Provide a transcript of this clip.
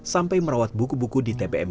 sampai merawat buku buku di tpm